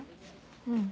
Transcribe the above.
うん。